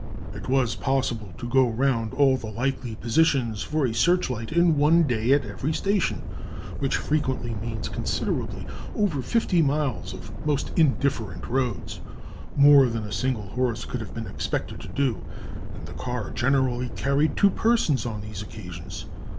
It was possible to go round all the likely positions for a searchlight in one day at every station, which frequently meant considerably over fifty miles of most indifferent roads more than a single horse could have been expected to do and the car generally carried two persons on these occasions.